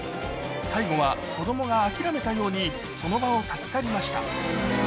最後は子どもが諦めたようにその場を立ち去りました。